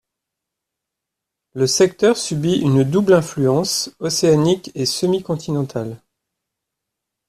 Le secteur subit une double influence, océanique et semi-continentale.